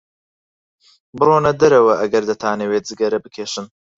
بڕۆنە دەرەوە ئەگەر دەتانەوێت جگەرە بکێشن.